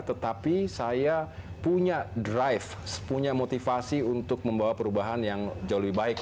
tetapi saya punya drive punya motivasi untuk membawa perubahan yang jauh lebih baik